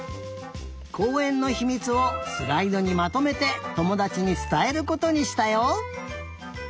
こうえんのひみつをスライドにまとめてともだちにつたえることにしたよ。